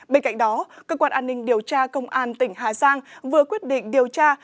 bên cạnh đó cơ quan an ninh điều tra công an tỉnh hà giang vừa quyết định điều tra